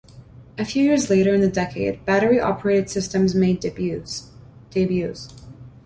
A few years later in the decade, battery-operated systems made debuts.